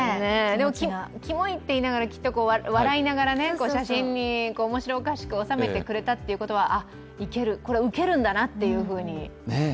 でも、キモいっていいながら笑いながらね、写真におもしろおかしく収めてくれたってことはあ、イケる、これはウケるんだなというふうに。